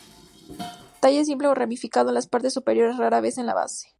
Tallo simple o ramificado en las partes superiores, rara vez en la base.